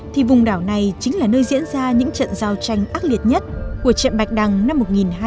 thì vùng đảo này chính là nơi diễn ra những trận giao tranh ác liệt nhất của trận vạch đằng năm một nghìn hai trăm tám mươi tám